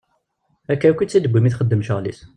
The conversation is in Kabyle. Akka akk i tt-id-tewwi mi i txeddem ccɣel-is.